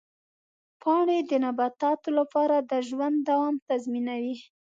پاڼې د نباتاتو لپاره د ژوند دوام تضمینوي.